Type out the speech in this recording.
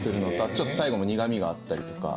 ちょっと最後も苦みがあったり。